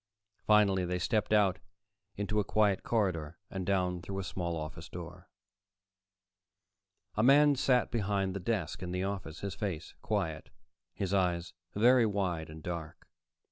Finally they stepped out into a quiet corridor and down through a small office door. A man sat behind the desk in the office, his face quiet, his eyes very wide and dark.